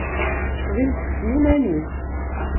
Tɣill tessen iman-is.